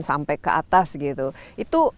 sampai ke atas gitu itu